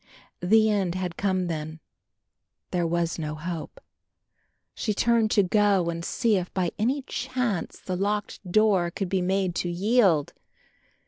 The end had come then; there was no hope. She turned to go and see if by any chance the locked door could be made to yield.